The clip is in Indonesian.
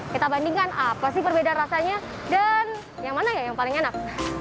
kita bandingkan apa sih perbedaan rasanya dan yang mana ya yang paling enak